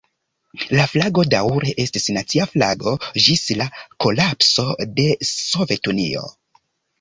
La flago daŭre estis nacia flago ĝis la kolapso de Sovetunio.